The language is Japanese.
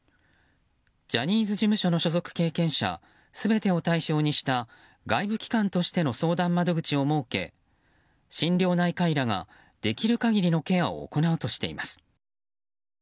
ジャニーズ事務所の所属経験者全てを対象にした外部機関としての相談窓口を設け心療内科医らができる限りのケアを行うとしています。